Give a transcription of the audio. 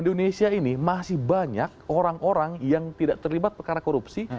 di indonesia ini masih banyak orang orang yang tidak terlibat perkara korupsi